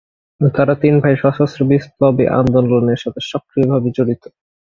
তারা তিন ভাই সশস্ত্র বিপ্লবী আন্দোলনের সাথে সক্রিয় ভাবে জড়িত ছিলেন।